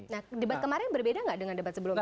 nah debat kemarin berbeda nggak dengan debat sebelumnya